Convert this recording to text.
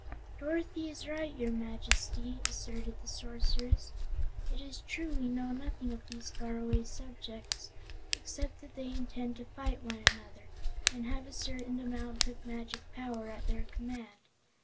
"Dorothy is right, your Majesty," asserted the Sorceress. "It is true we know nothing of these faraway subjects, except that they intend to fight one another, and have a certain amount of magic power at their command.